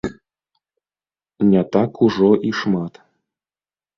Не так ужо і шмат.